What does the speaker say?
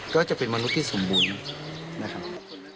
ก็จะเป็นมนุษย์ที่สมบูรณ์นะครับ